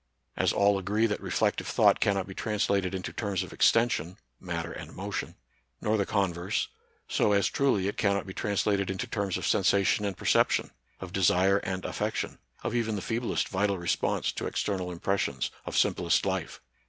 As all agree that reflective thought cannot be translated into terms of extension (matter and motion), nor the converse, so as truly it cannot be translated into terms of sensation and perception, of desire and affection, of even the feeblest vital response to external impressions, of simplest life.